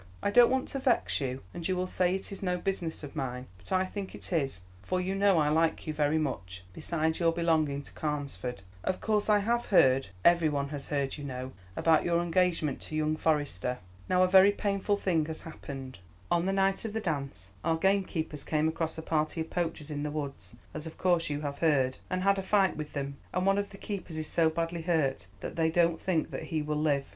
"I don't want to vex you, and you will say it is no business of mine, but I think it is, for you know I like you very much, besides, your belonging to Carnesford. Of course I have heard every one has heard, you know about your engagement to young Forester. Now a very painful thing has happened. On the night of the dance our gamekeepers came across a party of poachers in the woods, as of course you have heard, and had a fight with them, and one of the keepers is so badly hurt that they don't think he will live.